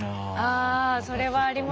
あそれはありますね。